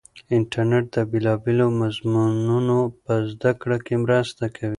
انټرنیټ د بېلابېلو مضمونو په زده کړه کې مرسته کوي.